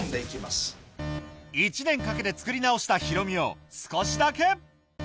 １年かけて作り直したヒロミを少しだけ！